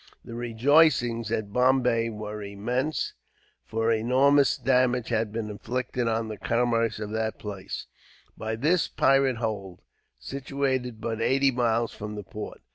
The rejoicings at Bombay were immense, for enormous damage had been inflicted on the commerce of that place, by this pirate hold, situated but eighty miles from the port.